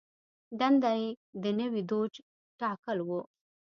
دنده یې د نوي دوج ټاکل و.